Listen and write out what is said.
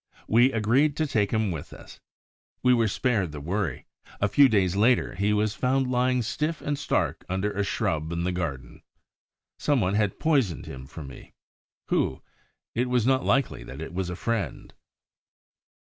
We agreed to take him with us. We were spared the worry: a few days later, he was found lying stiff and stark under a shrub in the garden. Some one had poisoned him for me. Who? It was not likely that it was a friend!